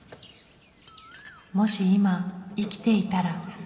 もし今生きていたら。